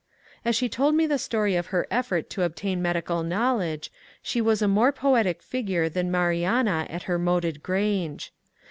As she told me the story of her effort to obtain medical knowledge, she was a more poetic figure than Mariana at her moated grange.